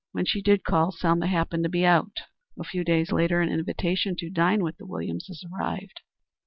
When she did call, Selma happened to be out. A few days later an invitation to dine with the Williamses arrived.